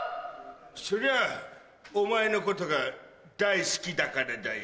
それはお前のことが大好きだからだよ。